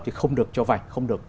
thì không được cho vay